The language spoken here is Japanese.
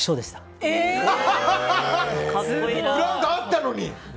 ブランクあったのに！